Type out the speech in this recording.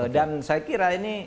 dan saya kira ini